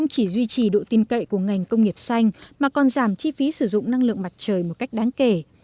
chỉ duy trì độ tin cậy của ngành công nghiệp xanh mà còn giảm chi phí sử dụng năng lượng mặt trời một cách đáng kể